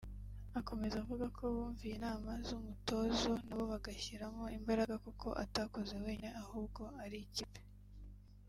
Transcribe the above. Akomeza avuga ko bumviye inama z’umutozo nabo bagashyiramo imbagara kuko atakoze wenyine ahubwo ari ikipe